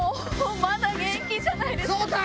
まだ元気じゃないですか。